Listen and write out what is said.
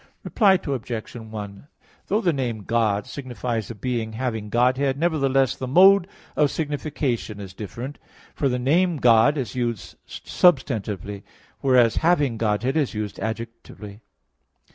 Reply Obj. 1: Though the name "God" signifies a being having Godhead, nevertheless the mode of signification is different. For the name "God" is used substantively; whereas "having Godhead" is used adjectively.